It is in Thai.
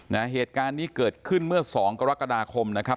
เหตุการณ์นี้เกิดขึ้นเมื่อสองกรกฎาคมนะครับ